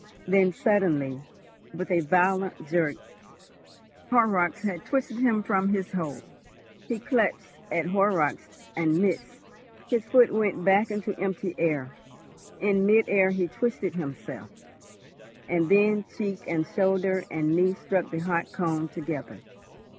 Then suddenly, with a violent jerk, Horrocks had twisted him from his hold. He clutched at Horrocks and missed, his foot went back into empty air; in mid air he twisted himself, and then cheek and shoulder and knee struck the hot cone together.